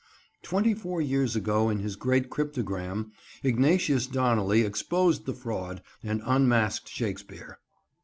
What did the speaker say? Twenty four years ago in his Great Cryptogram, Ignatius Donnelly exposed the fraud and unmasked Shakespeare.